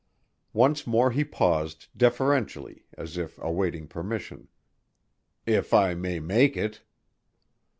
Once more he paused deferentially as if awaiting permission, "if I may make it."